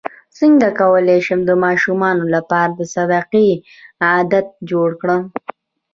څنګه کولی شم د ماشومانو لپاره د صدقې عادت جوړ کړم